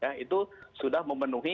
ya itu sudah memenuhi